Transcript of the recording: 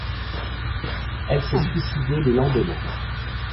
Elle s'est suicidée le lendemain.